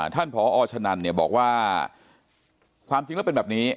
ท่านผอชะนันเนี่ยบอกว่าความจริงแล้วเป็นแบบนี้